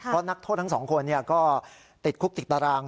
เพราะนักโทษทั้งสองคนก็ติดคุกติดตาราง